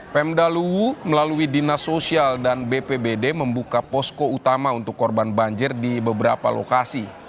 pemdaluwu melalui dinas sosial dan bpbd membuka posko utama untuk korban banjir di beberapa lokasi